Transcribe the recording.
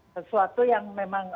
sesuatu yang memang